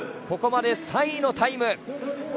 ここまで３位のタイム。